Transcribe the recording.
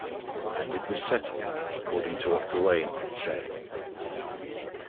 And it was settled according to what Gawain had said.